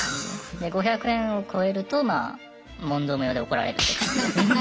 で５００円を超えるとまあ問答無用で怒られるって感じですね。